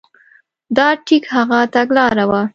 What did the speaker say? دا ټیک هغه تګلاره وه.